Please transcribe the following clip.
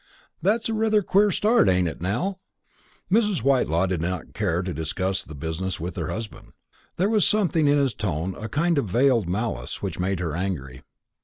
That's rather a queer start, ain't it, Nell?" Mrs. Whitelaw did not care to discuss the business with her husband. There was something in his tone, a kind of veiled malice, which made her angry.